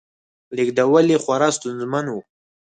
لېږدول یې خورا ستونزمن و